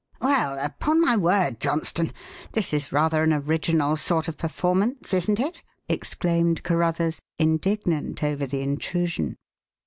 "Well, upon my word, Johnston, this is rather an original sort of performance, isn't it?" exclaimed Carruthers, indignant over the intrusion.